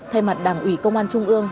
thay mặt đảng ủy công an trung ương